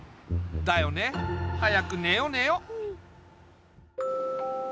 だよね。早くねよねよ。